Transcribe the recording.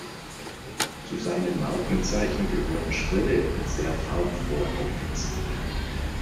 Zu seinen Markenzeichen gehören schrille und sehr farbenfrohe Outfits.